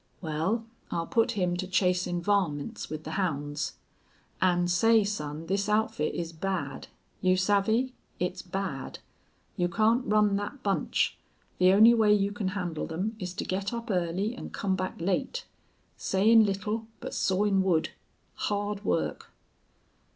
"Wal, I'll put him to chasin' varmints with the hounds. An' say, son, this outfit is bad. You savvy it's bad. You can't run that bunch. The only way you can handle them is to get up early an' come back late. Sayin' little, but sawin' wood. Hard work."